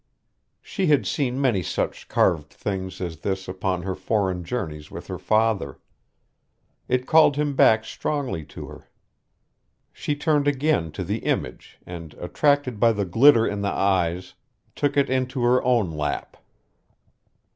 She had seen many such carved things as this upon her foreign journeys with her father. It called him back strongly to her. She turned again to the image and, attracted by the glitter in the eyes, took it into her own lap.